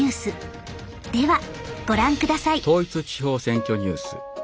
ではご覧ください。